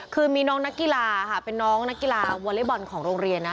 คือมีน้องนักกีฬาค่ะเป็นน้องนักกีฬาวอเล็กบอลของโรงเรียนนะ